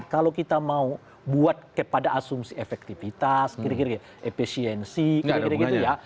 kalau kita mau buat kepada asumsi efektivitas kira kira efisiensi kira kira gitu ya